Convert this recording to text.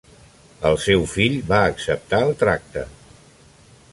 El seu fill va acceptar el tracte.